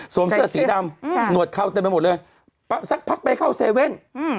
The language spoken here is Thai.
เสื้อสีดำหนวดเข้าเต็มไปหมดเลยสักพักไปเข้าเว่น